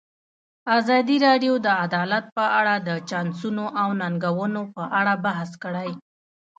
ازادي راډیو د عدالت په اړه د چانسونو او ننګونو په اړه بحث کړی.